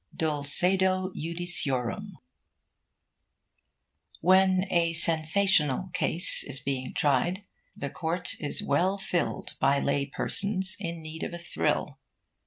DULCEDO JUDICIORUM When a 'sensational' case is being tried, the court is well filled by lay persons in need of a thrill.